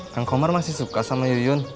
kang komar masih suka sama yuyun